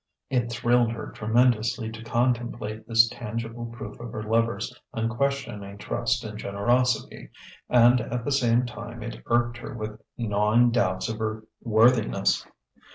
It thrilled her tremendously to contemplate this tangible proof of her lover's unquestioning trust and generosity and at the same time it irked her with gnawing doubts of her worthiness.